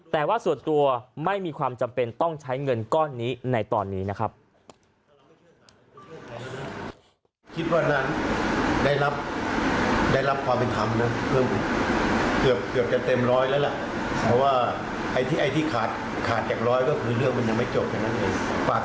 แต่ว่าส่วนตัวไม่มีความจำเป็นต้องใช้เงินก้อนนี้ในตอนนี้นะครับ